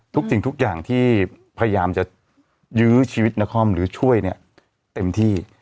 ทุกสิ่งทุกอย่างที่พยายามจะยื้อชีวิตนครหรือช่วยเนี่ยเต็มที่